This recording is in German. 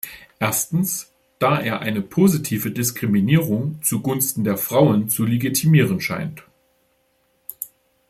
Erstens, da er eine positive Diskriminierung zugunsten der Frauen zu legitimieren scheint.